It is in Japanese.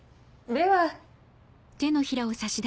では。